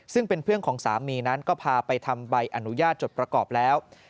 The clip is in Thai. ซึ่งเป็นเพื่อนของสามีนั้นก็พาไปทำใบอนุญาตจดประกอบแล้ว